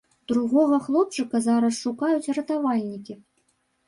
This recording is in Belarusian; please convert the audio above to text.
Другога хлопчыка зараз шукаюць ратавальнікі.